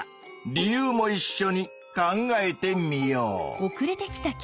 理由もいっしょに考えてみよう。